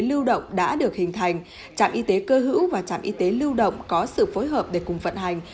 lưu động đã được hình thành trạm y tế cơ hữu và trạm y tế lưu động có sự phối hợp để cùng vận hành